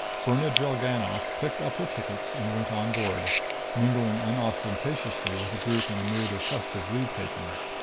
Birna Drellgannoth picked up her tickets and went on board, mingling unostentatiously with a group in a mood of festive leave taking.